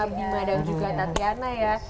bima dan juga tatiana ya